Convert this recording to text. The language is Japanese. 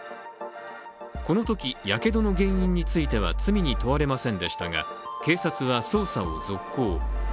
このときやけどの原因については罪に問われませんでしたが、警察は捜査を続行。